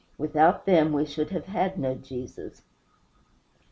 Without them we should have had no Jesus.